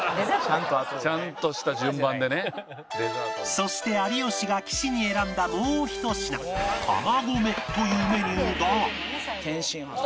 そして有吉が岸に選んだもう１品「玉米」というメニューがきた！